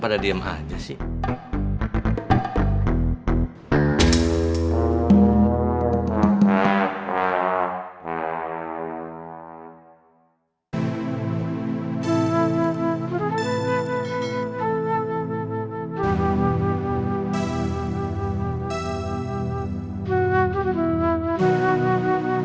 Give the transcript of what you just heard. pergi kementerian mesir